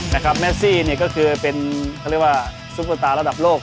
แมสซี่เนี่ยก็คือเป็นเขาเรียกว่าซุปเปอร์ตาระดับโลก